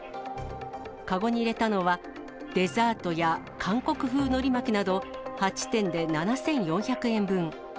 籠に入れたのは、デザートや韓国風のり巻きなど、８点で７４００円分。